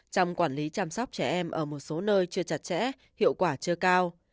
trong quản lý chăm sóc trẻ em ở một số nơi chưa chặt chẽ hiệu quả chưa cao